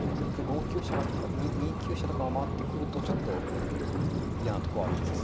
５九飛車２九飛車とか回ってくるとちょっと嫌なとこはあります。